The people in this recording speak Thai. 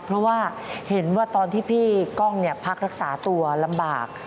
เพราะว่าเห็นว่าตอนที่พี่ก้องพักรักษาตัวลำบาก